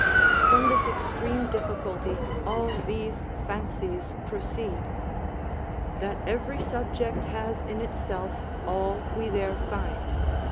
From this extreme difficulty all these fancies proceed: "That every subject has in itself all we there find.